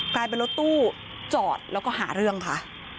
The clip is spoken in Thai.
กลายเป็นรถตู้จอดแล้วก็หาเรื่องค่ะ